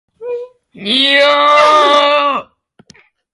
Digues-me com arribar a casa de la meva filla.